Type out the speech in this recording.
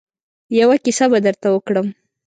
يوه کيسه به درته وکړم.